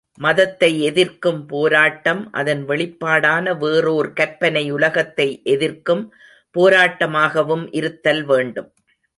மதத்தை எதிர்க்கும் போராட்டம், அதன் வெளிப்பாடான வேறோர் கற்பனை உலகத்தை எதிர்க்கும் போராட்டமாகவும் இருத்தல் வேண்டும்.